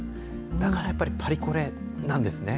だからやっぱりパリコレなんですね。